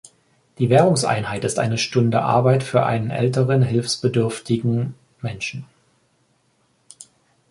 Die Währungseinheit ist eine Stunde Arbeit für einen älteren, hilfsbedürftigen Menschen.